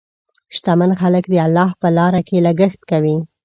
شتمن خلک د الله په لاره کې لګښت کوي.